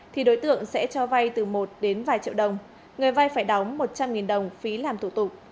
thì đối tượng sẽ cho vay từ một đến vài triệu đồng người vai phải đóng một trăm linh đồng phí làm thủ tục